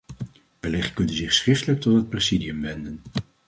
Wellicht kunt u zich schriftelijk tot het presidium wenden.